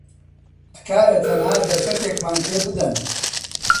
تکایە تەنها دەرفەتێکمان پێ بدەن.